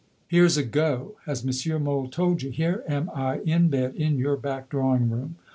Here's a "go"! Has M. Mohl told you? Here am I in bed in your back drawing room.